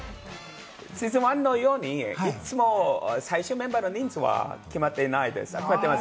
質問のように、いつも最終メンバーの数は決まっていません。